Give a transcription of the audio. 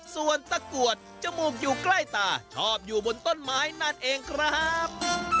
ส่วนตะกรวดจมูกอยู่ใกล้ตาชอบอยู่บนต้นไม้นั่นเองครับ